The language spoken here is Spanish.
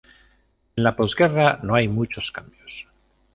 En la postguerra no hay muchos cambios.